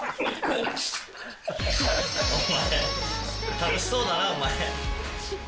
楽しそうだな、お前。